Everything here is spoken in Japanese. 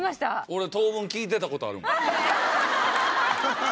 俺当分聞いてた事あるもん。